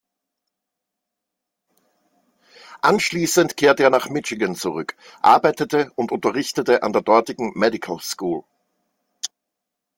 Anschließend kehrte er nach Michigan zurück, arbeitete und unterrichtete an der dortigen "Medical School".